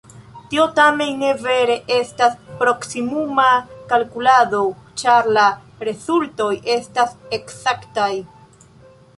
Tio tamen ne vere estas proksimuma kalkulado, ĉar la rezultoj estas ekzaktaj.